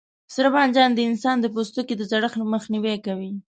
سره بانجان د انسان د پوستکي د زړښت مخنیوی کوي.